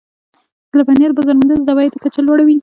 د لبنیاتو بازار موندنه د عوایدو کچه لوړوي.